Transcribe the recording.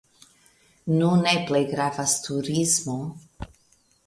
Nune plej gravas turismo.